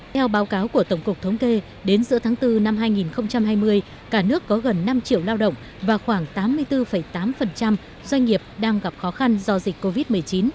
theo báo cáo của tổng cục thống kê đến giữa tháng bốn năm hai nghìn hai mươi cả nước có gần năm triệu lao động và khoảng tám mươi bốn tám doanh nghiệp đang gặp khó khăn do dịch covid một mươi chín